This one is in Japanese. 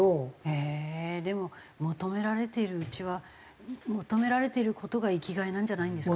へえーでも求められているうちは求められている事が生きがいなんじゃないんですか？